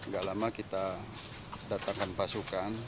gak lama kita datangkan pasukan